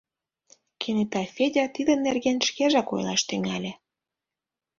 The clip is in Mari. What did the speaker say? Кенета Федя тидын нерген шкежак ойлаш тӱҥале: